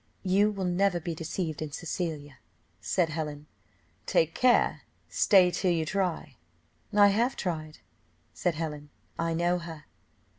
"You will never be deceived in Cecilia," said Helen. "Take care stay till you try." "I have tried," said Helen, "I know her."